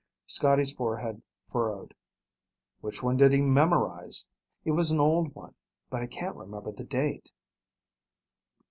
Scotty's forehead furrowed. "Which one did he memorize? It was an old one, but I can't remember the date."